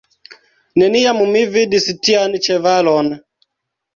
Neniam mi vidis tian ĉevalon!